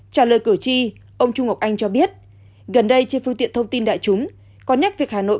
trả lời cử tri ông trung ngọc anh cho biết gần đây trên phương tiện thông tin đại chúng có nhắc việc hà nội